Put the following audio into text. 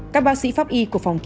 các bác sĩ pháp y của phòng kỹ